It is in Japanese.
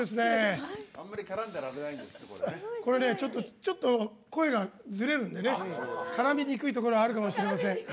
ちょっと声がずれるんでね絡みにくいところがあるかもしれません。